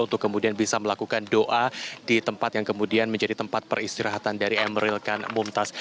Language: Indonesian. untuk kemudian bisa melakukan doa di tempat yang kemudian menjadi tempat peristirahatan dari emeril kan mumtaz